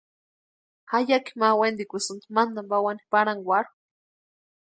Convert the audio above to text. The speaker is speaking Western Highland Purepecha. Jayaki ma wentikusïnti mantani pawani parhankwarhu.